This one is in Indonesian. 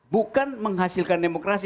bukan menghasilkan demokrasi